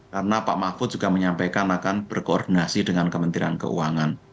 karena pak mahfud juga menyampaikan akan berkoordinasi dengan kementerian keuangan